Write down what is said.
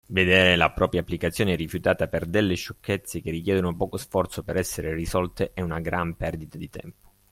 Vedere la propria applicazione rifiutata per delle sciocchezze che richiedono poco sforzo per essere risolte è una gran perdita di tempo.